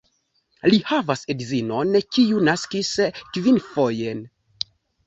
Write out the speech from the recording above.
Li havas edzinon, kiu naskis kvinfoje.